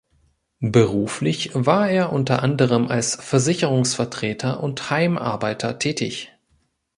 Beruflich war er unter anderem als Versicherungsvertreter und Heimarbeiter tätig.